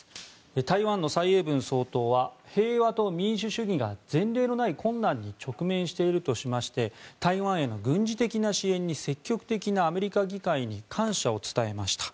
台湾の蔡英文総統は平和と民主主義が前例のない困難に直面しているとしまして台湾への軍事的な支援に積極的なアメリカ議会に感謝を伝えました。